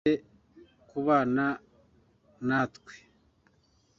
ku isi kubana natwe